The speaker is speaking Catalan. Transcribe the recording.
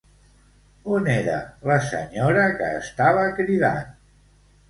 On era la senyora que estava cridant?